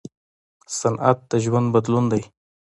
صنعت د ژوند بدلون دی.